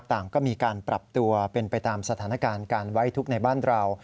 ต่างก็มีการปรับตัวเป็นไปตามสถานการณ์การไว้ทุกข์ในบ้านเรา